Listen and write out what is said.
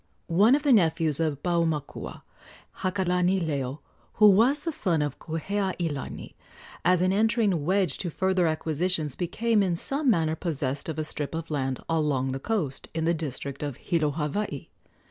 One of the nephews of Paumakua, Hakalanileo, who was the son of Kuheailani, as an entering wedge to further acquisitions became in some manner possessed of a strip of land along the coast in the district of Hilo, Hawaii.